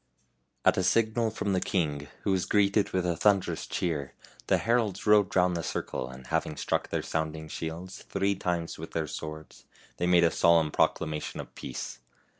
At a signal from the king, who was greeted with a thunderous cheer, the heralds rode round the circle, and having struck their sounding shields three times with their swords, they made a solemn proclamation of peace.